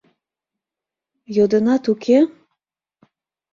Йодынат, уке?